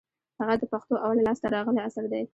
هغه د پښتو اول لاس ته راغلى اثر دئ.